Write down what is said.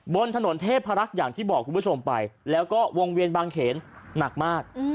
บนถนนเทพรักษ์อย่างที่บอกคุณผู้ชมไปแล้วก็วงเวียนบางเขนหนักมาก